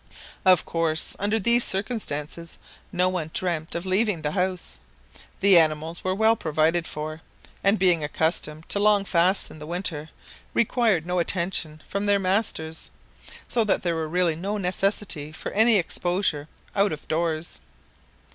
Of course under these circumstances no one dreamt of leaving the house. The animals were well provided for, and being accustomed to long fasts in the winter, required no attention from their masters, so that there really was no necessity for any exposure out of doors.